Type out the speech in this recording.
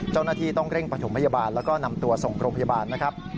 เจ้าหน้าที่ต้องเร่งประถมพยาบาลแล้วก็นำตัวส่งโรงพยาบาลนะครับ